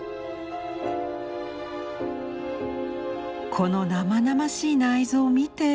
「この生々しい内臓を見て。